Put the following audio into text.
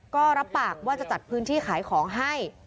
ก็รับปากว่าจะจัดพื้นที่ขายของให้